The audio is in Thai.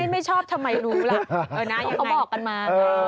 ไม่ชอบทำไมรู้ล่ะที่เขาบอกกันมา